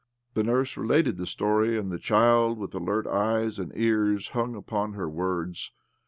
■The nurse related the story, and the child, with alert eyes and ears, hung upon iio OBLOMOV her wor'ds.